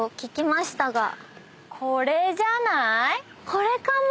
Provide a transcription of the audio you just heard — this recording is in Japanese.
これかも。